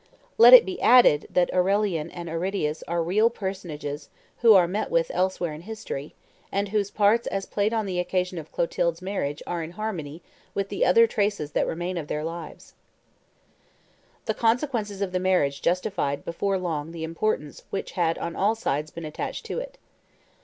Let it be added that Aurelian and Aridius are real personages who are met with elsewhere in history, and whose parts as played on the occasion of Clotilde's marriage are in harmony with the other traces that remain of their lives. [Illustration: BATTLE OF TOLBIACUM 144] The consequences of the marriage justified before long the importance which had on all sides been attached to it.